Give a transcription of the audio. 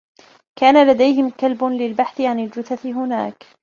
كان لديهم كلب للبحث عن الجثث هناك.